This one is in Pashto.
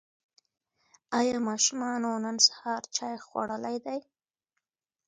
ایا ماشومانو نن سهار چای خوړلی دی؟